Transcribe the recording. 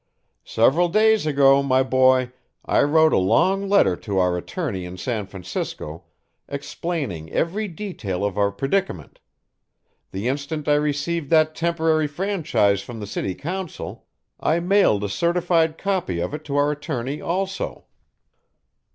Several days ago, my boy, I wrote a long letter to our attorney in San Francisco explaining every detail of our predicament; the instant I received that temporary franchise from the city council, I mailed a certified copy of it to our attorney also.